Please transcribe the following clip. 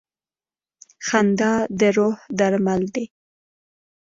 • خندا د روح درمل دی.